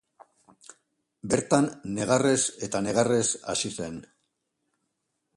Bertan negarrez eta negarrez hasi zen.